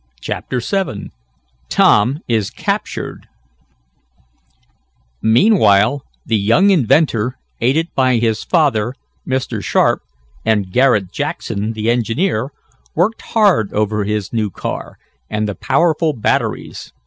CHAPTER VII TOM IS CAPTURED Meanwhile the young inventor, aided by his father, Mr. Sharp and Garret Jackson, the engineer, worked hard over his new car, and the powerful batteries.